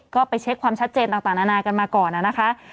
ก็ไปเช็คความชัดเจนต่างนานากันมาก่อนนะคะ